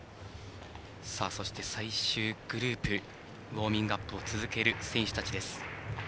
そして、最終グループウォーミングアップを続ける選手たちです。